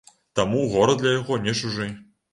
Таму горад для яго не чужы.